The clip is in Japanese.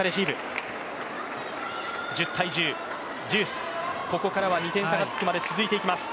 １０−１０ジュース、ここからは２点差がつくまで続いていきます。